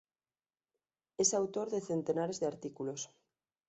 Es autor de centenares de artículos.